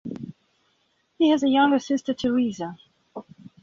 He has a younger sister Theresa.